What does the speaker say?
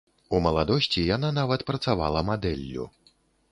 У маладосці яна нават працавала мадэллю.